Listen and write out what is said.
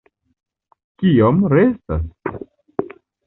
Kiom restas?